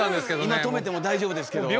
今とめても大丈夫ですけど。